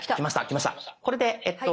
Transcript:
これでえっと